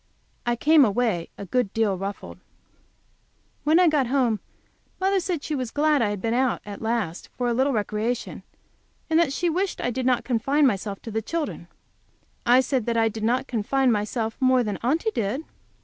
I came away a good deal ruffled. When I got home mother said she was glad I had been out at last for a little recreation, and that she wished I did not confine myself so to the children. I said that I did not confine myself more than Aunty did.